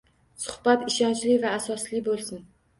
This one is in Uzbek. Suhbat ishonchli va asosli bo‘lsin.